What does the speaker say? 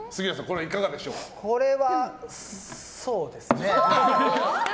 これは、そうですね。